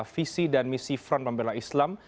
visi dan misi front pembela islam